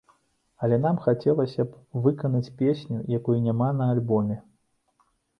Але нам хацелася б выканаць песню, якой няма на альбоме.